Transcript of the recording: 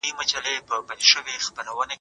افغان خبریالان خپلواکي سیاسي پریکړي نه سي کولای.